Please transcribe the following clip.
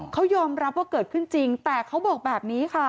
เขายอมรับว่าเกิดขึ้นจริงแต่เขาบอกแบบนี้ค่ะ